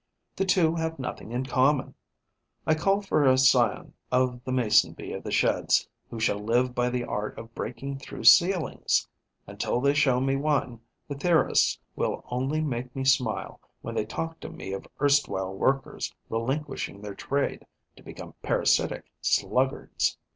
The two have nothing in common. I call for a scion of the Mason bee of the Sheds who shall live by the art of breaking through ceilings. Until they show me one, the theorists will only make me smile when they talk to me of erstwhile workers relinquishing their trade to become parasitic sluggards.